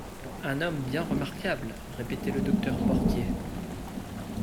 , Un homme bien remarquable, répétait le docteur Porquier.